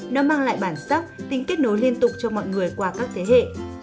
nó mang lại bản sắc tính kết nối liên tục cho mọi người qua các thế hệ